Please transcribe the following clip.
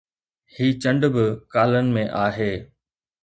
هي چنڊ به ڪالن ۾ آهي